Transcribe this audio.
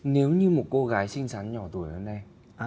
nếu như một cô gái xinh xắn nhỏ tuổi hơn em